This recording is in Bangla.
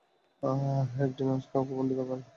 একিডনা আজ কাউকে বন্দী করবে না!